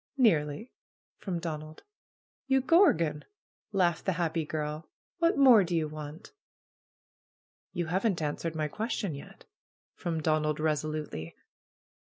"Nearly!" from Donald. "You gorgon !" laughed the happy girl. "What more do you want?" "You haven't answered my question yet," from Don ald resolutely.